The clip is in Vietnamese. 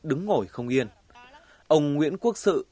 đứng ngồi không yên ông nguyễn quốc sự